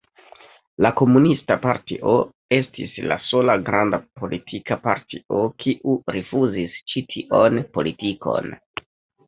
La komunista partio estis la sola granda politika partio, kiu rifuzis ĉi tion politikon.